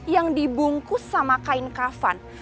yang dibungkus sama kain kafan